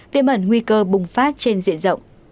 tiêm ẩn nguy cơ bùng phát trên diện rộng